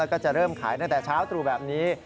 ก็จะเริ่มขายตั้งแต่เช้าตรู่แบบนี้